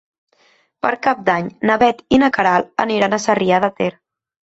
Per Cap d'Any na Bet i na Queralt aniran a Sarrià de Ter.